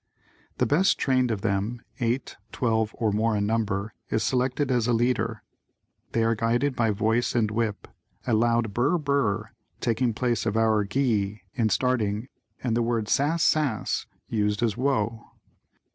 The best trained of the team (eight, twelve or more in number) is selected as a leader. They are guided by voice and whip, a loud "Brr Brr" taking the place of our "Gee" in starting and the word "Sass Sass" used as "Whoa."